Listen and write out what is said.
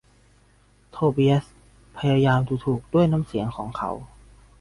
โทเบียสพยายามดูถูกด้วยน้ำเสียงของเขา